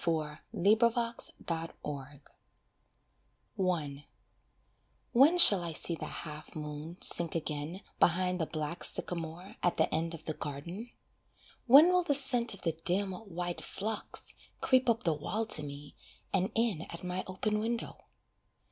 END OF ANOTHER HOME HOLIDAY I When shall I see the half moon sink again Behind the black sycamore at the end of the garden? When will the scent of the dim, white phlox Creep up the wall to me, and in at my open window?